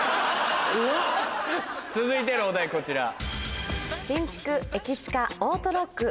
続いてのお題こちら。